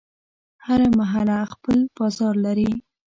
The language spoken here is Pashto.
هره محله خپل بازار لري.